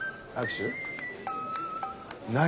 何？